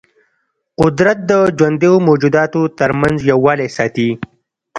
قدرت د ژوندیو موجوداتو ترمنځ یووالی ساتي.